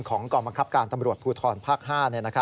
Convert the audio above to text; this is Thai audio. กองบังคับการตำรวจภูทรภาค๕